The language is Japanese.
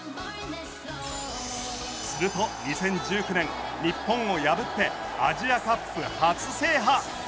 すると２０１９年日本を破ってアジアカップ初制覇！